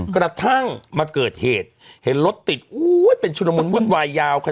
กระทั่งมาเกิดเหตุเห็นรถติดอู้วเป็นชุดมนต์ว่นวายยาวขนาด